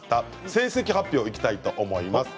成績発表にいきたいと思います。